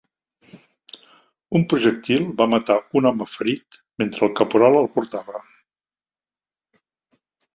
Un projectil va matar un home ferit mentre el caporal el portava.